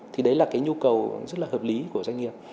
thì đấy là cái nhu cầu rất là hợp lý của doanh nghiệp